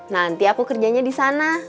nanti aku kerjanya di sana